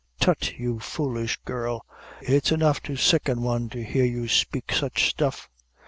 "Tut, you foolish girl; it's enough to sicken one to hear you spake such stuff!"